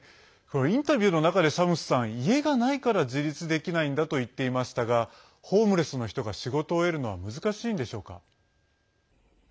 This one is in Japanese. インタビューの中でシャムスさん、家がないから自立できないんだと言っていましたがホームレスの人が仕事を得るのは難しいんでしょうか？